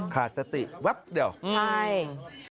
ความสัมพันธ์กันจริงครับ